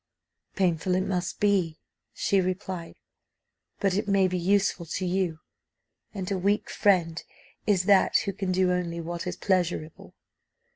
"Painful it must be," she replied, "but it may be useful to you; and a weak friend is that who can do only what is pleasurable.